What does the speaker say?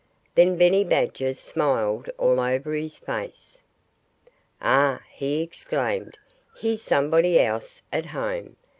Then Benny Badger smiled all over his face. "Ah!" he exclaimed. "Here's somebody else at home!"